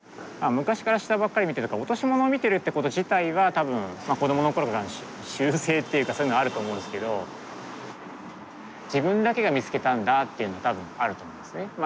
昔から下ばっかり見てるからオトシモノを見てるってこと自体は多分子どもの頃からの習性っていうかそういうのはあると思うんですけど自分だけが見つけたんだっていうの多分あると思うんですね。